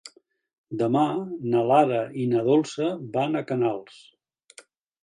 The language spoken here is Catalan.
Demà na Lara i na Dolça van a Canals.